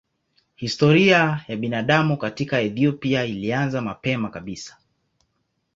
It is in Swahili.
Historia ya binadamu katika Ethiopia ilianza mapema kabisa.